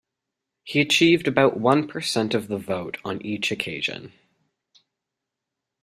He achieved about one percent of the vote on each occasion.